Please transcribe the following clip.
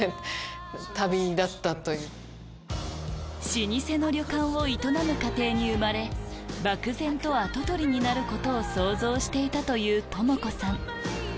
老舗の旅館を営む家庭に生まれ漠然と跡取りになることを想像していたという智子さん